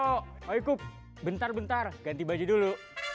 waalaikumsalam bentar bentar ganti baju dulu